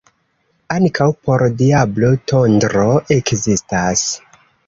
Ankaŭ por diablo tondro ekzistas.